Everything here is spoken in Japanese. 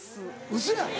ウソやん！